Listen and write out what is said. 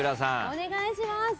お願いします。